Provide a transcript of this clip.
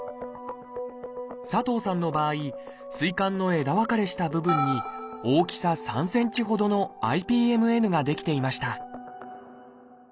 佐藤さんの場合膵管の枝分かれした部分に大きさ３ｃｍほどのＩＰＭＮが出来ていました